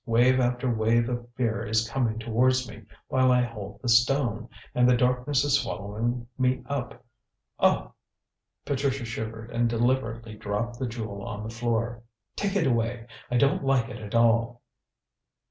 Wave after wave of fear is coming towards me, while I hold the stone, and the darkness is swallowing me up. Oh!" Patricia shivered and deliberately dropped the jewel on the floor. "Take it away! I don't like it at all."